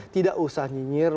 tidak usah nyinyir